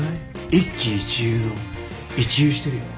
一喜一憂の一憂してるよね？